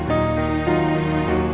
kamu sama amin